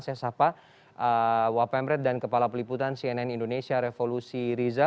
saya sapa wapemret dan kepala peliputan cnn indonesia revolusi riza